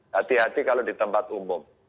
hati hati kalau di tempat umum